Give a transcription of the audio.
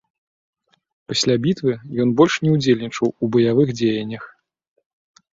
Пасля бітвы ён больш не ўдзельнічаў у баявых дзеяннях.